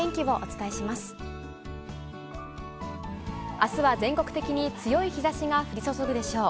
あすは全国的に強い日ざしが降り注ぐでしょう。